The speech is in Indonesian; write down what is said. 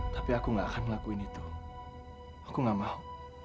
tapi aku nggak akan ngelakuin itu aku nggak mau